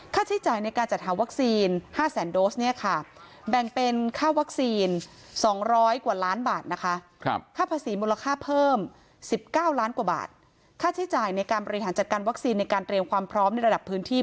ค่าใช้จ่ายในการบริหารจัดการวัคซีนในการเตรียมความพร้อมในระดับพื้นที่